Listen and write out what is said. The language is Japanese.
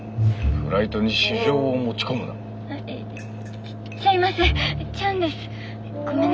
フライトに私情を持ち込むな！